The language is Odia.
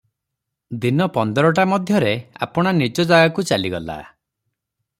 ଦିନ ପନ୍ଦରଟା ମଧ୍ୟରେ ଆପଣା ନିଜ ଯାଗାକୁ ଚାଲିଗଲା ।